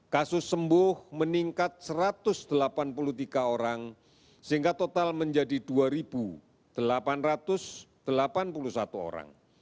kasus sembuh meningkat satu ratus delapan puluh tiga orang sehingga total menjadi dua delapan ratus delapan puluh satu orang